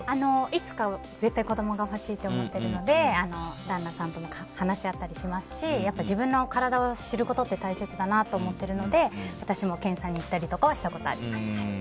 いつかは絶対子供が欲しいと思ってるので旦那さんとも話し合ったりしますし自分の体を知ることって大切だなと思っているので私も検査に行ったりとかはしたことあります。